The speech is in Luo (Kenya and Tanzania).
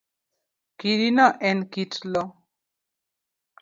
Kidino en kit loo